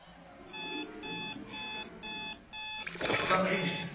「わっ分かりました。